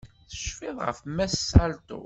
Tecfiḍ ɣef Mass Saito?